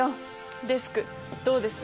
デスクどうです？